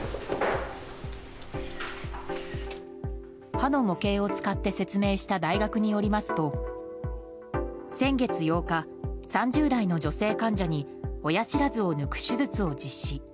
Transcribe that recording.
歯の模型を使って説明した大学によりますと先月８日、３０代の女性患者に親知らずを抜く手術を実施。